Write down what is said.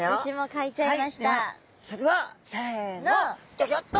ギョギョッと！